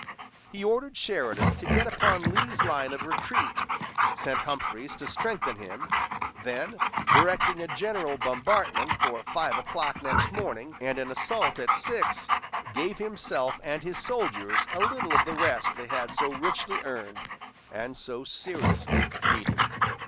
He ordered Sheridan to get upon Lee's line of retreat; sent Humphreys to strengthen him; then, directing a general bombardment for five o'clock next morning, and an assault at six, gave himself and his soldiers a little of the rest they had so richly earned and so seriously needed.